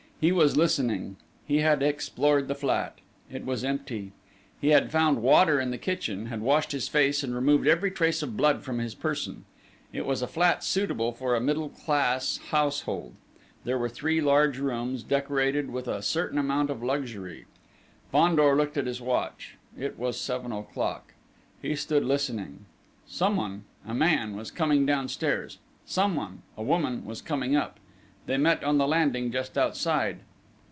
He was listening.... He had explored the flat. It was empty. He had found water in the kitchen, had washed his face, and removed every trace of blood from his person. It was a flat suitable for a middle class household. There were three large rooms, decorated with a certain amount of luxury. Fandor looked at his watch. It was seven o'clock. He stood listening. Someone, a man, was coming downstairs: someone, a woman, was coming up. They met on the landing just outside.